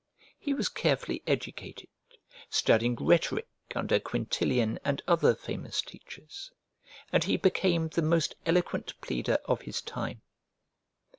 He was carefully educated, studying rhetoric under Quintilian and other famous teachers, and he became the most eloquent pleader of his time.